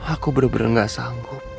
aku bener bener gak sanggup